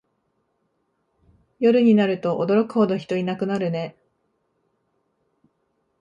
夜になると驚くほど人いなくなるね